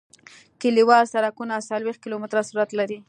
کلیوال سرکونه څلویښت کیلومتره سرعت لري